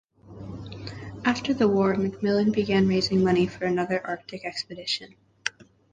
After the war, MacMillan began raising money for another Arctic expedition.